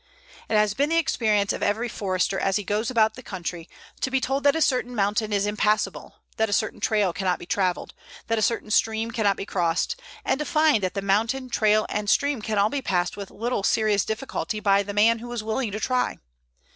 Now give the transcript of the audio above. It has been the experience of every Forester, as he goes about the country, to be told that a certain mountain is impassable, that a certain trail can not be travelled, that a certain stream can not be crossed, and to find that mountain, trail, and stream can all be passed with little serious difficulty by a man who is willing to try.